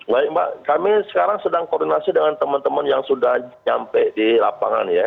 baik mbak kami sekarang sedang koordinasi dengan teman teman yang sudah sampai di lapangan ya